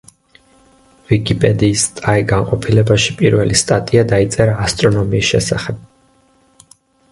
ვიკიპედიის ტაი განყოფილებაში პირველი სტატია დაიწერა ასტრონომიის შესახებ.